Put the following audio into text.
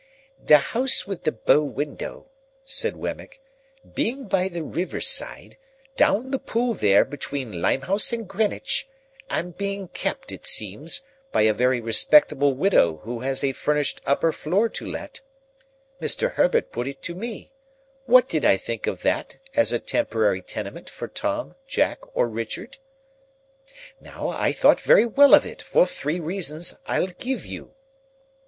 "The house with the bow window," said Wemmick, "being by the river side, down the Pool there between Limehouse and Greenwich, and being kept, it seems, by a very respectable widow who has a furnished upper floor to let, Mr. Herbert put it to me, what did I think of that as a temporary tenement for Tom, Jack, or Richard? Now, I thought very well of it, for three reasons I'll give you.